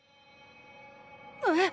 えっ？